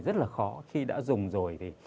rất là khó khi đã dùng rồi thì